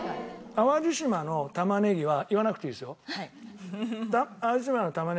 淡路島の玉ねぎは言わなくていいですよ。